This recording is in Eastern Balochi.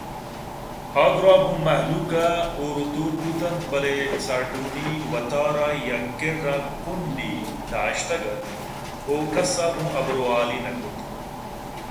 آدُرٛاہ گوں مہلوک ءَ ہورءُ توُر بوت اَنت بلئے سارٹونی وت ءَ را یک کِرّ ءَکنڈے داشتگ اَت ءُکس ءَ گوں حبر ءُ حالے نہ کُت